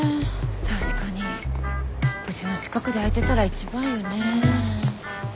確かにうちの近くで空いてたら一番よねぇ。